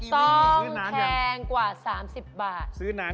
สร้างแพงกว่า๓๐บาท